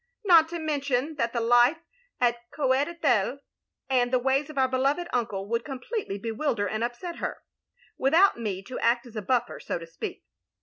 "Not to mention that the life at Coed Ithel and the ways of our beloved uncle, would completely bewilder and upset her, without me to act as a buffer, so to speak.